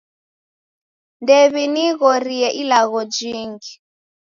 Ndew'inighorie ilagho jingi